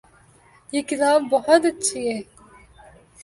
یہ کتاب بہت اچھی ہے